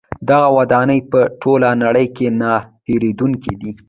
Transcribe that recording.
دغه ودانۍ په ټوله نړۍ کې نه هیریدونکې دي.